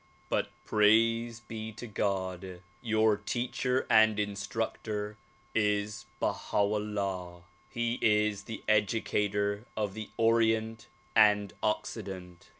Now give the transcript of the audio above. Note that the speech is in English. But praise be to God! your teacher and instructor is Baha 'Ullah. He is the educator of the Orient and Occident.